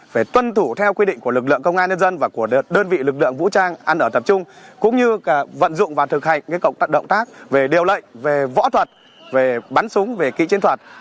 phải tuân thủ theo quy định của lực lượng công an nhân dân và của đơn vị lực lượng vũ trang ăn ở tập trung cũng như vận dụng và thực hành động tác về điều lệnh võ thuật bắn súng kỹ chiến thuật